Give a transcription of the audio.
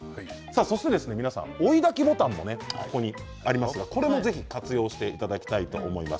そして皆さん追いだきボタンもありますが活用していただきたいと思います。